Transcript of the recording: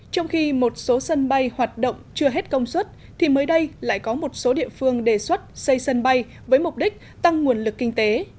trong khi một số sân bay hoạt động chưa hết công suất thì mới đây lại có một số địa phương đề xuất xây sân bay với mục đích tăng nguồn lực kinh tế